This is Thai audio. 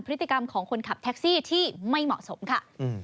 พฤติกรรมของคนขับแท็กซี่ที่ไม่เหมาะสมค่ะ